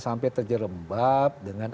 sampai terjerembab dengan